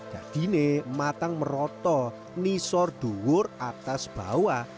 jadi ini matang meroto nisor duwur atas bawah